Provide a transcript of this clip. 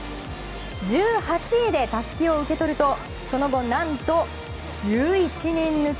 １８位でたすきを受け取るとその後、何と１１人抜き。